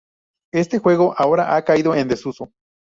Este juego ahora ha caído en desuso.